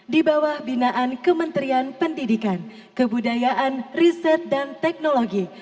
di bawah binaan kementerian pendidikan kebudayaan riset dan teknologi